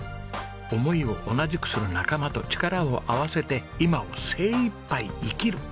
思いを同じくする仲間と力を合わせて今を精いっぱい生きる！